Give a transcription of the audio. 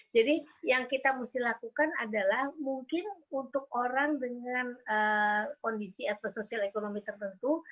jadi yang kita mesti lakukan adalah mungkin untuk orang dengan kondisi atau sosial ekonomi tertentu